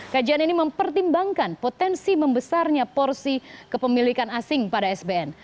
kajian ini mempertimbangkan potensi membesarnya porsi kepemilikan asing pada sbn